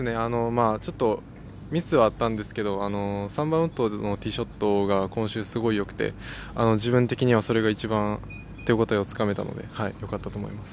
ちょっとミスはあったんですけど３番ウッドのティーショットがすごくよくて自分的にはそれが一番手応えをつかめたのでよかったと思います。